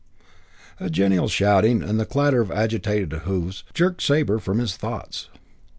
III A genial shouting and the clatter of agitated hoofs jerked Sabre from his thoughts.